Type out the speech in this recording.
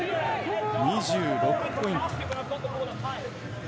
２６ポイント。